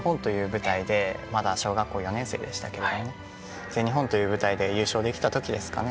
まだ小学校４年生でしたけど全日本という舞台で優勝できたときですかね。